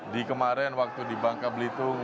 di kemarin waktu di bangka belitung